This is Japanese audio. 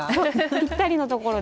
ぴったりのところで。